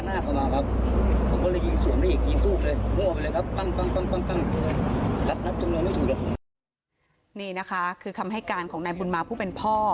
นี่นะคะคือคำให้การของนายบุญมาผู้เป็นพ่อ